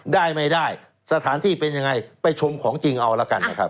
ได้ไม่ได้สถานที่เป็นยังไงไปชมของจริงเอาละกันนะครับ